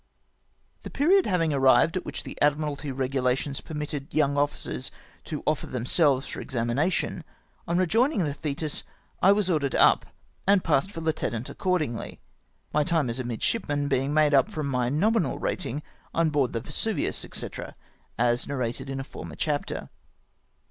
The period having arrived at which the Admiralty regulations permitted young officers to offer themselves for examination — on rejoining the Thetis I was ordered up, and passed for lieutenant accordingly ; my time as a midshipman being made up from my nominal rating on board the Vesuvius, &c., as narrated in a former chapter.